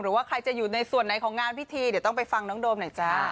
ว่าใครจะอยู่ในส่วนไหนของงานพิธีเดี๋ยวต้องไปฟังน้องโดมหน่อยจ้า